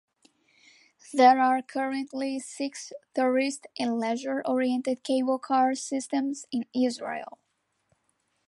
There are currently six tourist and leisure oriented cable car systems in Israel.